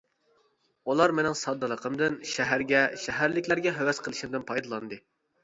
ئۇلار مېنىڭ ساددىلىقىمدىن، شەھەرگە، شەھەرلىكلەرگە ھەۋەس قىلىشىمدىن پايدىلاندى.